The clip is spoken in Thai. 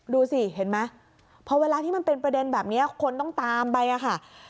ดูสิเห็นไหมพอเวลาที่มันเป็นประเด็นแบบนี้คนต้องตามไปอะค่ะ